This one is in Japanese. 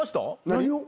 何を？